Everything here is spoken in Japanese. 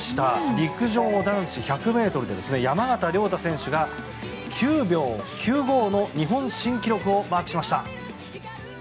陸上男子１００ｍで山縣亮太選手が９秒９５の日本新記録をマークしました。